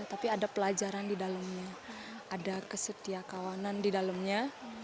tapi ada pelajaran di dalamnya ada kesetiakawanan di dalamnya